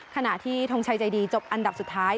ที่ทงชัยใจดีจบอันดับสุดท้าย